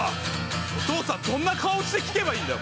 お父さんどんな顔して聴けばいいんだよ。